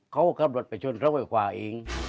เขาก็ขับรถไปชนเขาก็นึกว่าอีอิง